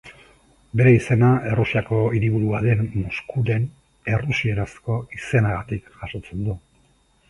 Bere izena Errusiako hiriburua den Moskuren errusierazko izenagatik jasotzen du.